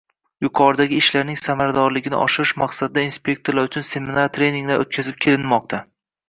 Yuqoridagi ishlarning samaradorligini oshirish maqsadida inspektorlar uchun seminar-treninglar o'tkazib kelinmoqda